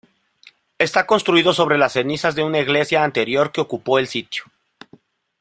Está construido sobre las cenizas de una iglesia anterior, que ocupó el sitio.